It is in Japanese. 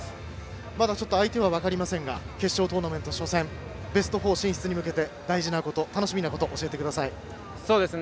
まだ相手は分かりませんが決勝トーナメント初戦ベスト４進出に向けて大事なこと楽しみなことを教えてください。